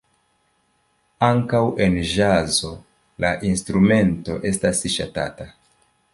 Ankaŭ en ĵazo la instrumento estas ŝatata.